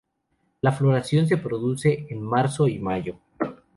La floración se produce en marzo y mayo.